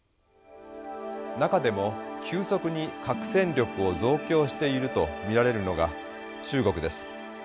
中でも急速に核戦力を増強していると見られるのが中国です。